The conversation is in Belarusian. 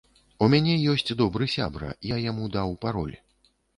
У мяне ёсць добры сябра, я яму даў пароль.